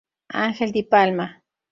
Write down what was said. Ángel Di Palma.